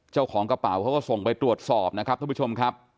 เจ้าของกระเป๋าเขาก็ส่งไปตรวจสอบนะครับท่านผู้ชมครับ